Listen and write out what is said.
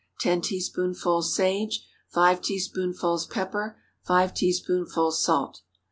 10 teaspoonfuls sage. 5 teaspoonfuls pepper. 5 teaspoonfuls salt.